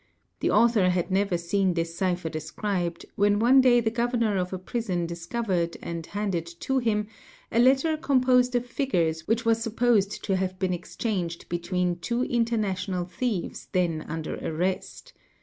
The author had never seen * this cipher described, when one day the governor of a prison discovered and handed to him a letter composed of figures which was supposed — to have been exchanged between two international thieves then under arrest.